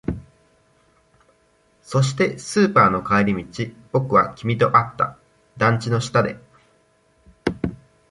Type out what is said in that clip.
そして、スーパーの帰り道、僕は君と会った。団地の下で。